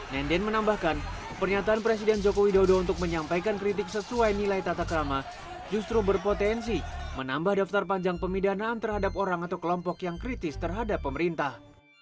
nenden menambahkan pernyataan presiden joko widodo untuk menyampaikan kritik sesuai nilai tata kerama justru berpotensi menambah daftar panjang pemidanaan terhadap orang atau kelompok yang kritis terhadap pemerintah